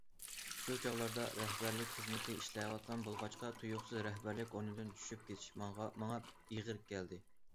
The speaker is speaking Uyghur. شۇ چاغلاردا رەھبەرلىك خىزمىتى ئىشلەۋاتقان بولغاچقا تۇيۇقسىز رەھبەرلىك ئورنىدىن چۈشۈپ كېتىش ماڭا ئېغىر كەلدى.